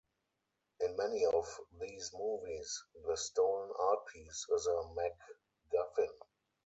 In many of these movies, the stolen art piece is a MacGuffin.